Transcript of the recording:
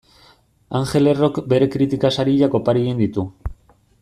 Angel Errok bere kritika sariak opari egin ditu.